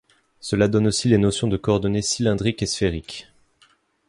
Cela donne aussi les notions de coordonnées cylindriques et sphériques.